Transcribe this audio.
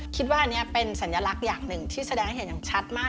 คิดว่าอันนี้เป็นสัญลักษณ์อย่างหนึ่งที่แสดงให้เห็นอย่างชัดมาก